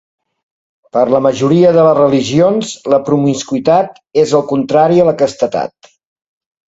Per a la majoria de les religions, la promiscuïtat és el contrari a la castedat.